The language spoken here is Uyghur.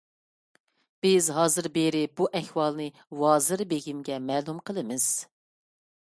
بىز ھازىر بېرىپ، بۇ ئەھۋالنى ۋازىر بېگىمگە مەلۇم قىلىمىز.